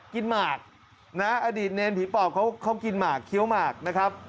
หมากนะอดีตเนรผีปอบเขากินหมากเคี้ยวหมากนะครับ